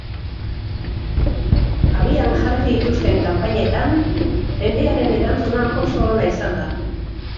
Abian jarri dituzten kanpainetan jendearen erantzuna oso ona izan da.